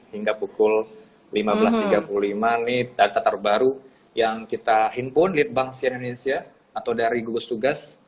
hingga pukul lima belas tiga puluh lima ini data terbaru yang kita himpun lead bank sian indonesia atau dari gugus tugas